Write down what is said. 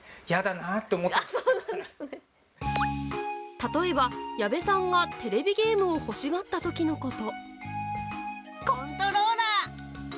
例えば矢部さんがテレビゲームを欲しがった時のこと。